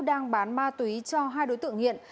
đang bán ma túy cho hai đối tượng hiện